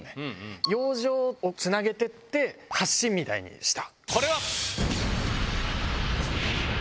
養生をつなげてって橋みたいにした。